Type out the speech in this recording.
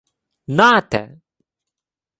— Нате!